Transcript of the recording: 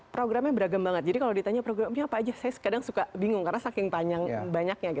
programnya beragam banget jadi kalau ditanya programnya apa aja saya kadang suka bingung karena saking banyaknya